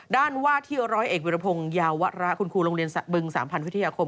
ด้านว่าที่ร้อยเอกวิรพงศ์ยาวระคุณครูโรงเรียนบึงสามพันวิทยาคม